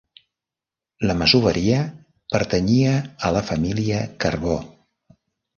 La masoveria pertanyia a la família Carbó.